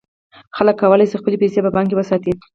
خلک کولای شي خپلې پیسې په بانک کې وساتي.